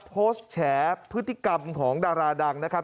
แฉพฤติกรรมของดาราดังนะครับ